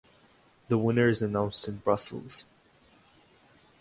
The winner is announced in Brussels.